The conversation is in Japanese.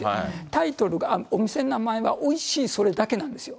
タイトルが、お店の名前が、おいしい、それだけなんですよ。